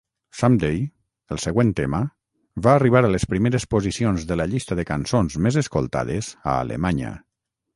"Someday", el següent tema, va arribar a les primeres posicions de la llista de cançons més escoltades a Alemanya.